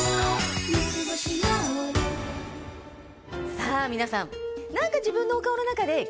さぁ皆さん。